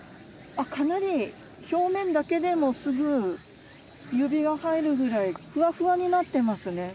あっかなり表面だけでもすぐ指が入るぐらいふわふわになってますね。